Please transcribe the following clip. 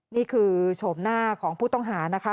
นี่คือโฉมหน้าของผู้ต้องหานะคะ